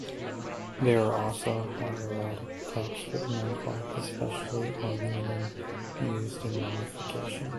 There are also hieratic texts written on cloth, especially on linen used in mummification.